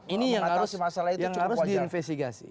ini yang harus diinvestigasi